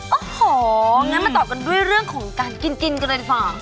โอ้โหงั้นมาต่อกันด้วยเรื่องของการกินกันเลยดีกว่า